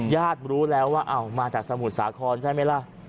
รู้แล้วว่ามาจากสมุทรสาครใช่ไหมล่ะ